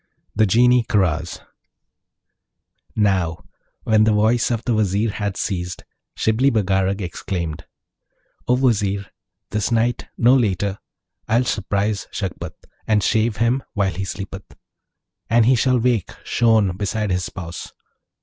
THE GENIE KARAZ Now, when the voice of the Vizier had ceased, Shibli Bagarag exclaimed, 'O Vizier, this night, no later, I'll surprise Shagpat, and shave him while he sleepeth: and he shall wake shorn beside his spouse.